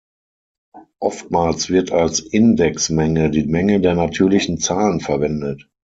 Oftmals wird als Indexmenge die Menge der natürlichen Zahlen verwendet.